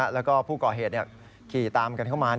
แล้วก็ผู้ก่อเหตุขี่ตามกันเข้ามา